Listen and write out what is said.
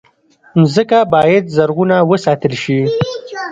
مځکه باید زرغونه وساتل شي.